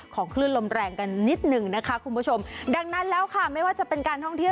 คลื่นลมแรงกันนิดหนึ่งนะคะคุณผู้ชมดังนั้นแล้วค่ะไม่ว่าจะเป็นการท่องเที่ยว